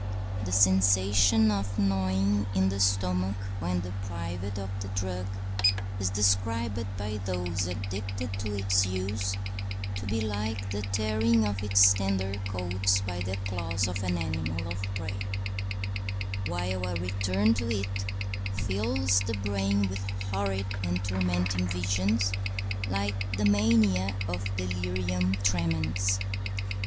The sensation of gnawing in the stomach when deprived of the drug is described by those addicted to its use to be like the tearing of its tender coats by the claws of an animal of prey, while a return to it fills the brain with horrid and tormenting visions like the mania of delirium tremens.